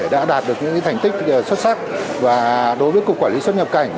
đã đạt được những thành tích xuất sắc và đối với cục quản lý xuất nhập cảnh